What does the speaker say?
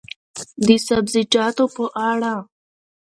د سبزیجاتو په اړه: